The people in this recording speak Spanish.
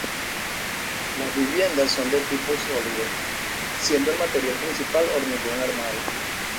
Las viviendas son de tipo sólido, siendo el material principal hormigón armado.